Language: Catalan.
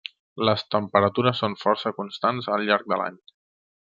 Les temperatures són força constants al llarg de l’any.